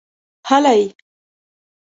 هلئ!